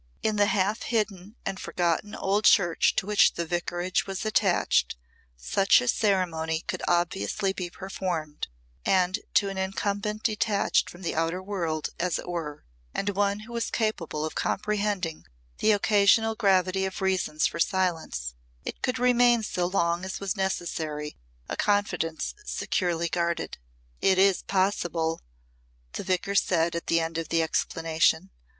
In the half hidden and forgotten old church to which the Vicarage was attached such a ceremony could obviously be performed, and to an incumbent detached from the outer world, as it were, and one who was capable of comprehending the occasional gravity of reasons for silence, it could remain so long as was necessary a confidence securely guarded. "It is possible," the Vicar said at the end of the explanation.